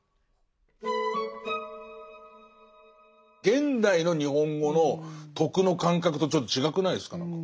現代の日本語の徳の感覚とちょっと違くないですか？